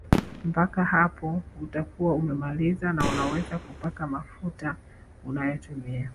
Mpaka hapo utakuwa umemaliza na unaweza kupaka mafuta unayotumia